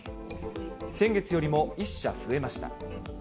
先月よりも１社増えました。